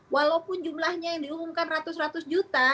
walaupun jumlahnya yang diumumkan ratus ratus juta